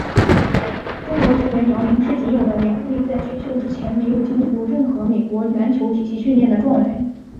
中国球员姚明是仅有的两位在选秀之前没有经历过任何美国篮球体系训练的状元。